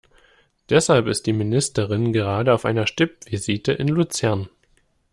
Deshalb ist die Ministerin gerade auf einer Stippvisite in Luzern.